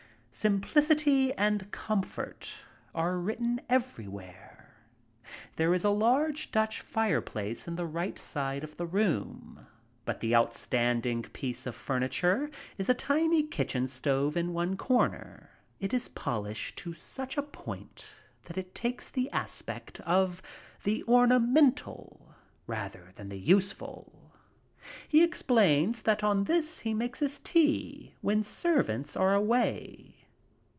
Simplicity and comfort are written everywhere. There is a large Dutch fireplace in the right side of the room, but the outstanding piece of furniture is a tiny kitchen stove in one comer. It is polished to such a point that it takes the aspect of the ornamental rather than the useful. He explains that on this he makes his tea when servants are away.